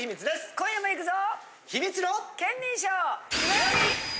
今夜もいくぞ！